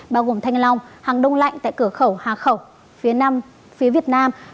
bao gồm thanh long hàng đông lạnh tại cửa khẩu hà khẩu phía nam phía việt nam